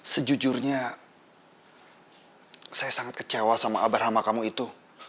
sejujurnya saya sangat kecewa sama abah rahma kamu itu